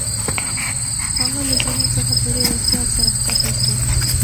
هغه له زینو څخه په ډېر احتیاط سره کښته شوه.